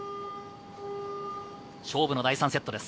勝負の第３セットです。